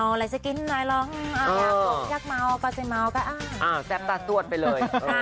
อะแซ่บตาสวดไปเลย